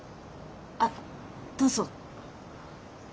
あどうぞ。